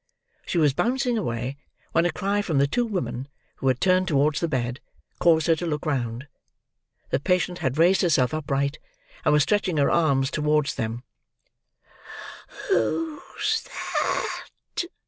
She was bouncing away, when a cry from the two women, who had turned towards the bed, caused her to look round. The patient had raised herself upright, and was stretching her arms towards them.